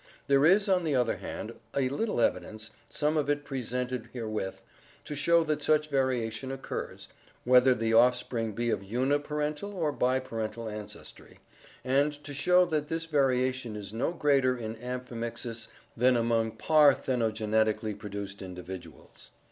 There is, on the other hand, a little evidence, some of it presented herewith, to show that such variation occurs, whether the offspring be of uniparental or biparental ancestry, and to show that this variation is no greater in amphimixis than among par thenogenetically produced individuals."